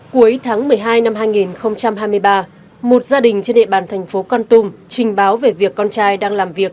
cuối tháng một mươi hai năm hai nghìn hai mươi ba một gia đình trên địa bàn thành phố con tum trình báo về việc con trai đang làm việc